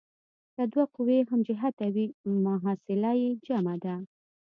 که دوه قوې هم جهته وي محصله یې جمع ده.